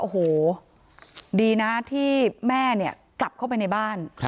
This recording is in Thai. โอ้โหดีนะที่แม่เนี่ยกลับเข้าไปในบ้าน